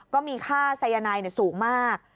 ก็มีค่าสายนายสูงมาก